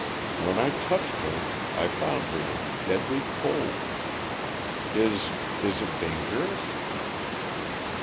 When I touched her I found her to be deadly cold. Is is it dangerous?"